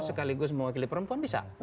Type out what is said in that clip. sekaligus mewakili perempuan bisa